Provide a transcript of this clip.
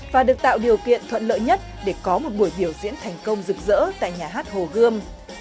và được tạo điều kiện thuận lợi nhất để có một buổi biểu diễn thành công rực rỡ tại nhà hát hồ gươm